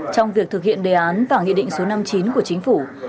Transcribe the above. trong việc thực hiện đề án và nghị định số năm mươi chín của chính phủ